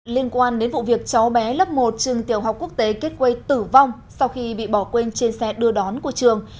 liên quan đến vụ việc cháu bé lớp một trường tiểu học quốc tế kết quây tử vong sau khi bị bỏ quên trên xe đưa đón của trường